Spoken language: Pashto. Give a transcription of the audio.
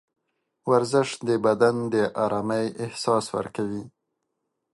ورزش د بدن د ارامۍ احساس ورکوي.